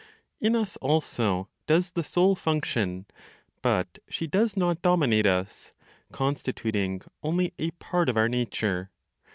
In us also does the Soul function, but she does not dominate us, constituting only a part of our nature.